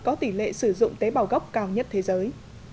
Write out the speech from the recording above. có tỷ lệ sử dụng tế bào gốc cao nhất thế giới